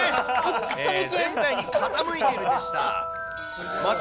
全体に傾いているでした。